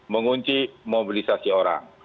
mengunci mobilisasi orang